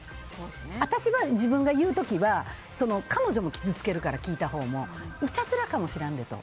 私は自分が言う時は彼女も傷つけるからいたずらかもしれんで、と。